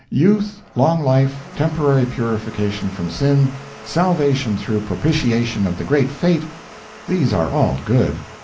Youth, long life, temporary purification from sin, salvation through propitiation of the Great Fate these are all good.